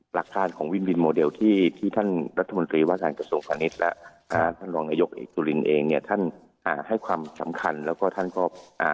หลักการของวินวินโมเดลที่ที่ท่านรัฐมนตรีว่าการกระทรวงพาณิชย์แล้วนะฮะท่านรองนายกเอกสุรินเองเนี่ยท่านอ่าให้ความสำคัญแล้วก็ท่านก็อ่า